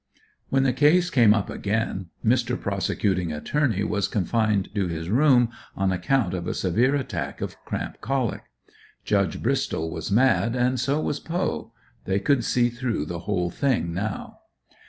When the case came up again Mr. Prosecuting Attorney was confined to his room on account of a severe attack of cramp colic. Judge Bristol was mad, and so was Poe. They could see through the whole thing now.